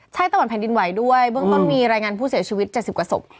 ใช่ตะวันแผ่นดินไหวด้วยเบื้องต้นมีรายงานผู้เสียชีวิต๗๐กว่าศพ